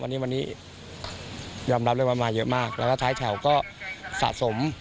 วันนี้ยอมรับเรียบร้อยมาเยอะมากแล้วก็ท้ายแถวก็สะสม